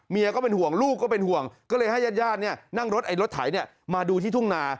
ก็เป็นห่วงลูกก็เป็นห่วงก็เลยให้ญาตินั่งรถไอ้รถไถมาดูที่ทุ่งนา